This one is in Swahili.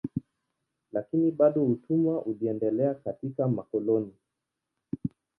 Lakini bado utumwa uliendelea katika makoloni.